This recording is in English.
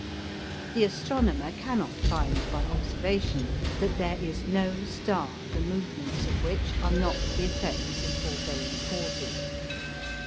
The astronomer cannot find by observation that there is no star the movements of which are not the effects of foregoing causes.